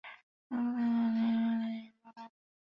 Luke then vows to revive the Jedi Order.